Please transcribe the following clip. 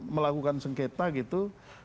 melakukan sengketa gitu